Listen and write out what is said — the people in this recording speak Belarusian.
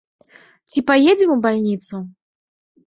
Ці паедзем у бальніцу?